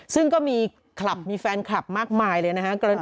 ซึ่งก็มีคลับมีแฟนคลับมากมายเลยนะครับ